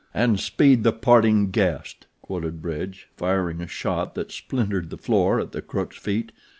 "'And speed the parting guest,'" quoted Bridge, firing a shot that splintered the floor at the crook's feet.